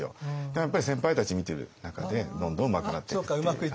やっぱり先輩たち見ている中でどんどんうまくなっていくっていう感じですね。